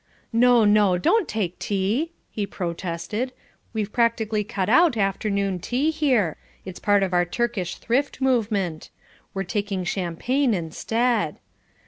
"No, no, don't take tea," he protested. "We've practically cut out afternoon tea here. It's part of our Turkish thrift movement. We're taking champagne instead.